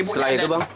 setelah itu bang